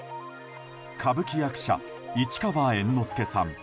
歌舞伎役者・市川猿之助さん。